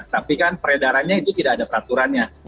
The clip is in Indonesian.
tapi kan peredarannya itu tidak ada peraturannya